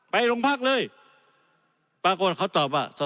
ไปโรงพักเลยปรากฏเขาตอบว่า